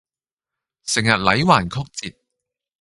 成日捩橫曲折